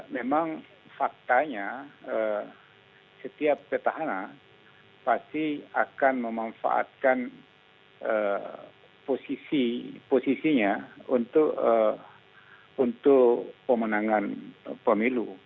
memang faktanya setiap petahana pasti akan memanfaatkan posisinya untuk pemenangan pemilu